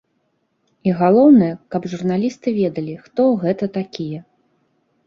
І галоўнае, каб журналісты ведалі, хто гэта такія.